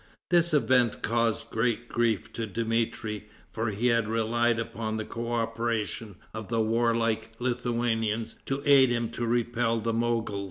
This event caused great grief to Dmitri, for he had relied upon the coöperation of the warlike Lithuanians to aid him to repel the Mogols.